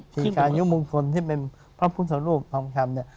คือการยุมงคลที่เป็นพระพุทธรูปทองคำเนี่ย